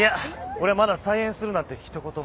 俺はまだ再演するなんてひと言も。